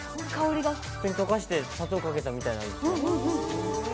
普通に溶かして砂糖をかけたみたいな感じ。